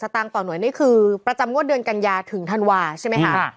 ตางค์ต่อหน่วยนี่คือประจำงวดเดือนกันยาถึงธันวาใช่ไหมคะ